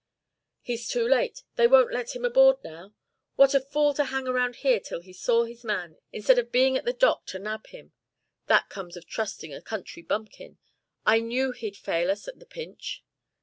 "He's too late: they won't let him aboard now. What a fool to hang around here till he saw his man, instead of being at the dock to nab him! That comes of trusting a country bumpkin. I knew he'd fail us at the pinch.